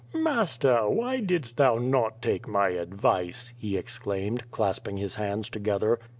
"blaster, why didst thou not take my advice?'' he exclaimed, clasping his hands together.